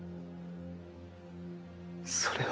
それは。